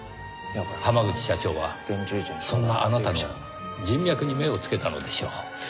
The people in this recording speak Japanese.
濱口社長はそんなあなたの人脈に目をつけたのでしょう。